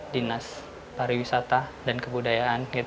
dinas pariwisata dan kebudayaan